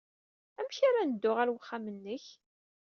Amek ara n-dduɣ ɣer uxxam-nnek?